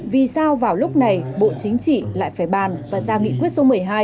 vì sao vào lúc này bộ chính trị lại phải bàn và ra nghị quyết số một mươi hai